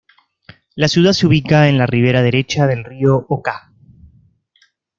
La ciudad se ubica en la ribera derecha del río Oká.